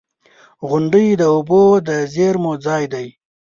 • غونډۍ د اوبو د زیرمو ځای دی.